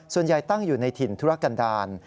ส่วนใหญ่ตั้งอยู่ในถิ่นธุรกันดาล